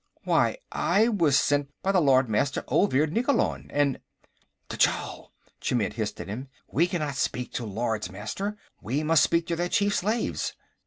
"Why, I was sent by the Lord Master Olvir Nikkolon, and...." "Tchall!" Chmidd hissed at him. "We cannot speak to Lords Master. We must speak to their chief slaves."